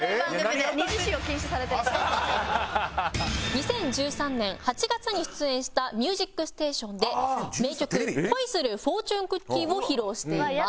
２０１３年８月に出演した『ミュージックステーション』で名曲『恋するフォーチュンクッキー』を披露しています。